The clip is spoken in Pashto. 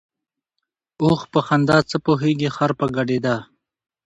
ـ اوښ په خندا څه پوهېږي ، خر په ګډېدا.